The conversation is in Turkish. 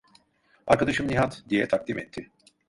"Arkadaşım Nihat!" diye takdim etti.